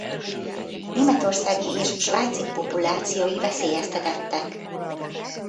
Németországi és svájci populációi veszélyeztetettek.